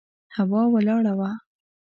هوا ولاړه وه.